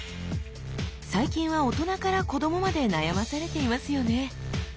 最近は大人から子どもまで悩まされていますよね。